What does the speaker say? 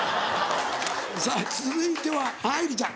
さぁ続いては愛莉ちゃん